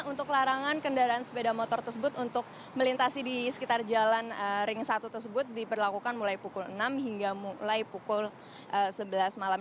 untuk larangan kendaraan sepeda motor tersebut untuk melintasi di sekitar jalan ring satu tersebut diperlakukan mulai pukul enam hingga mulai pukul sebelas malam